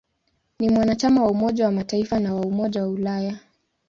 Ni mwanachama wa Umoja wa Mataifa na wa Umoja wa Ulaya.